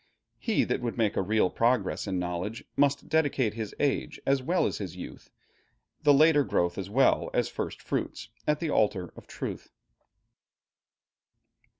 He that would make a real progress in knowledge, must dedicate his age as well as youth, the later growth as well as first fruits, at the altar of truth....